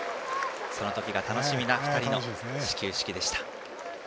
その時が楽しみな２人の始球式でした。